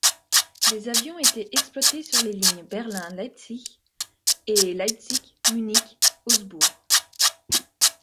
Les avions étaient exploités sur les lignes Berlin-Leipzig et Leipzig-Munich-Augsbourg.